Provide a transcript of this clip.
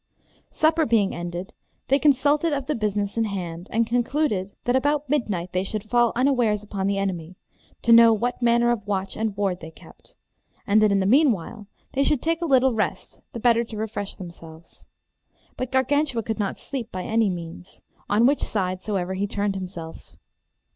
Supper being ended, they consulted of the business in hand, and concluded that about midnight they should fall unawares upon the enemy, to know what manner of watch and ward they kept, and that in the meanwhile they should take a little rest the better to refresh themselves. But Gargantua could not sleep by any means, on which side soever he turned himself.